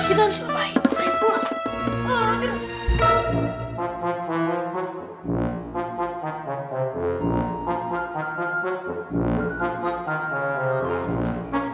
kita harus berbakat